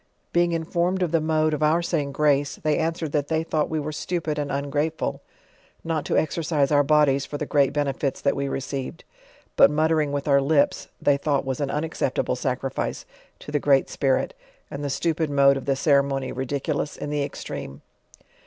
Being informed of the mode of our say ing grace, they an swered that they thought we were stupid and ungrateful not to exercise our bodies for the great benefits that we received: but muttering with our lips, they tnought was an unaccepta ble sacrifice to the Great Spirit, arid the stupid mode of the coreinony ridiculous in the extreme.